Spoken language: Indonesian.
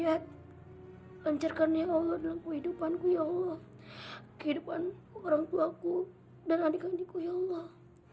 hai pencerkannya allah dalam kehidupanku ya allah kehidupan orangtuaku dan adik adikku ya allah